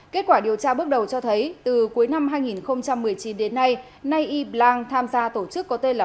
kết quả điều tra bước đầu cho thấy từ cuối năm hai nghìn một mươi chín đến nay y blang tham gia tổ chức có tên là